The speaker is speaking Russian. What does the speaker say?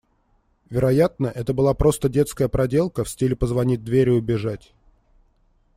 Вероятно, это была просто детская проделка, в стиле позвонить в дверь и убежать.